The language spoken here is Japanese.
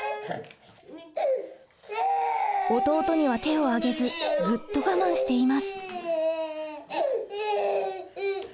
弟には手を上げずグッと我慢しています。